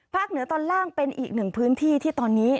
เหนือตอนล่างเป็นอีกหนึ่งพื้นที่ที่ตอนนี้